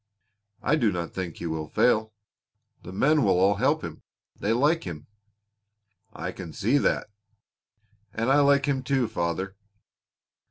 "I do not think he will fail. The men will all help him. They like him." "I can see that." "And I like him too, father."